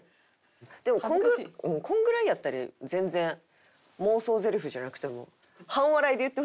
でもこのぐらいやったら全然。妄想ゼリフじゃなくても。